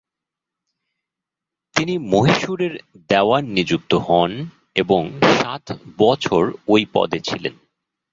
তিনি মহীশূরের দেওয়ান নিযুক্ত হন এবং সাত বছর ওই পদে ছিলেন।